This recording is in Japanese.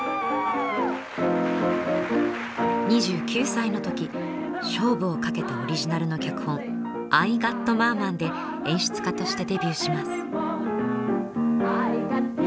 ２９歳の時勝負をかけたオリジナルの脚本「アイ・ガット・マーマン」で演出家としてデビューします。